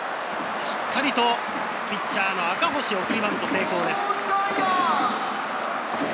しっかりとピッチャーの赤星、送りバント成功です。